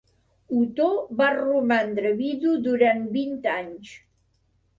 Otó va romandre vidu durant vint anys.